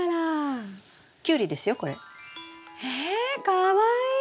えかわいい。